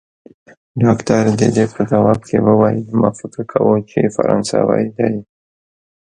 ډاکټر د ده په ځواب کې وویل: ما فکر کاوه، چي فرانسوی دی.